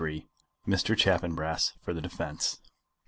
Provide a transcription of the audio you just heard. MR. CHAFFANBRASS FOR THE DEFENCE.